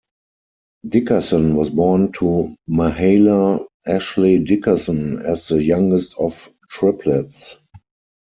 Dickerson was born to Mahala Ashley Dickerson as the youngest of triplets.